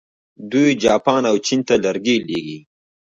دوی جاپان او چین ته لرګي لیږي.